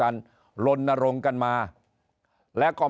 นายกรัฐมนตรีพูดเรื่องการปราบเด็กแว่น